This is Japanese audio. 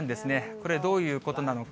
これ、どういうことなのか。